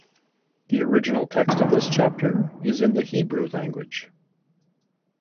The original text of this chapter is in the Hebrew language.